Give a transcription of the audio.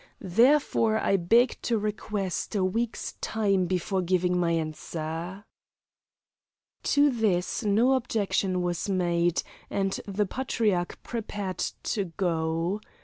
Therefore I beg to request a week's time before giving my answer." To this no objection was made, and the Patriarch prepared to go.